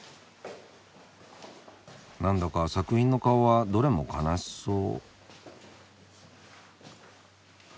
なんだか作品の顔はどれも悲しそう。